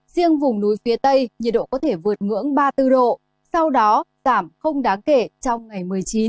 riêng vùng núi phía tây nhiệt độ có thể vượt ngưỡng ba mươi bốn độ sau đó giảm không đáng kể trong ngày một mươi chín